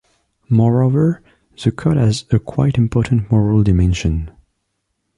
Moreover, the code has a quite important moral dimension.